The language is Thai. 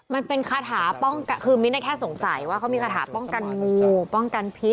มันเป็นคาถาป้องกันคือมิ้นแค่สงสัยว่าเขามีคาถาป้องกันงูป้องกันพิษ